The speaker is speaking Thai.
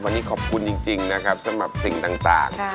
วันนี้ขอบคุณจริงนะครับสำหรับสิ่งต่าง